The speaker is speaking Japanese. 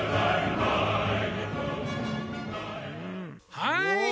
はい。